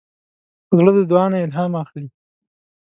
زړه د دعا نه الهام اخلي.